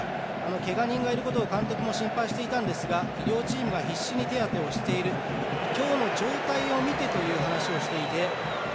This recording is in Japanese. けが人がいることを監督も心配していたんですが医療チームが必死に手当てをしている今日の状態を見てという話をしていて。